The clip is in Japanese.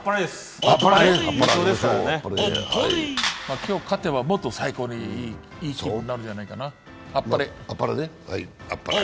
今日勝てばもっと最高にいい相撲になるんじゃないかな、あっぱれ。